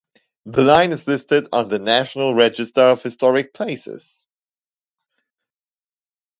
The line is listed on the National Register of Historic Places.